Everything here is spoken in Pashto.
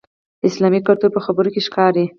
اسلامي کلتور په خبرو کې ښکاري.